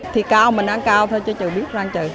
thì cao mình ăn cao thôi chứ chừng biết răng trừ